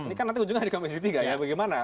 ini kan nanti ujungnya ada di komisi tiga bagaimana